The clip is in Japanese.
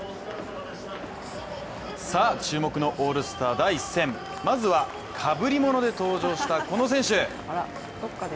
さあ注目のオールスター第１戦、まずは、被り物で登場したこの選手